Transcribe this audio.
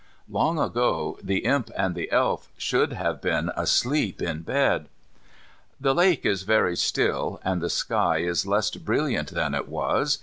Long ago the Imp and the Elf should have been asleep in bed. The lake is very still, and the sky is less brilliant than it was.